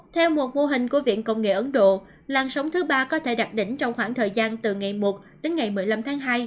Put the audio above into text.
theo một mô hình của viện công nghệ ấn độ làn sóng thứ ba có thể đặt đỉnh trong khoảng thời gian từ ngày một đến ngày một mươi năm tháng hai